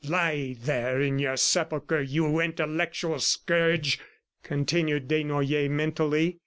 "Lie there, in your sepulchre, you intellectual scourge!" continued Desnoyers mentally.